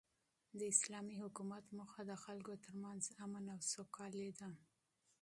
د اسلامي حکومت موخه د خلکو تر منځ امن او سوکالي ده.